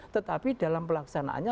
tetapi dalam pelaksanaannya